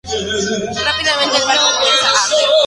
Rápidamente el barco comienza a arder.